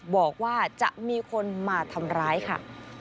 บอกว่าจะมีคนมาทำร้ายค่ะ